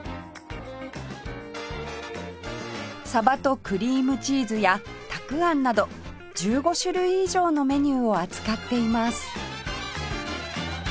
鯖とクリームチーズやたくあんなど１５種類以上のメニューを扱っています